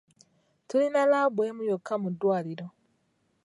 Tulina laabu emu yokka mu ddwaliro.